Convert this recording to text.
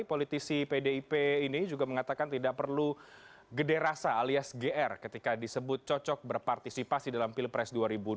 politisi pdip ini juga mengatakan tidak perlu gede rasa alias gr ketika disebut cocok berpartisipasi dalam pilpres dua ribu dua puluh